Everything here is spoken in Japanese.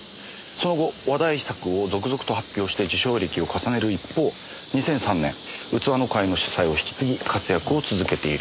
「その後話題作を続々と発表して受賞歴を重ねる一方２００３年器の会の主宰を引き継ぎ活躍を続けている」